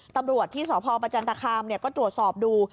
ตำรวจที่สพประจันตคามก็ตรวจสอบดู